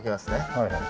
はいはい。